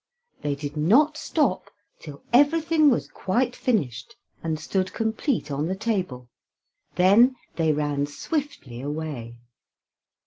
They did not stop till everything was quite finished, and stood complete on the table; then they ran swiftly away.